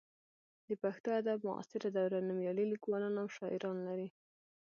د پښتو ادب معاصره دوره نومیالي لیکوالان او شاعران لري.